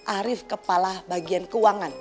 arief kepala bagian keuangan